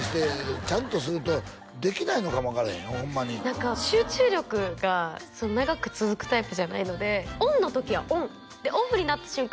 何か集中力が長く続くタイプじゃないのでオンの時はオンでオフになった瞬間